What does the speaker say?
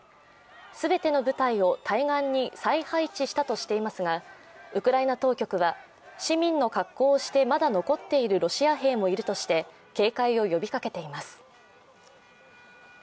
全ての部隊を対岸に再配置したとしていますが、ウクライナ当局は市民の格好をして、まだ残っているロシア兵もいるとして警戒を呼びかけています。